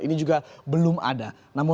ini juga belum ada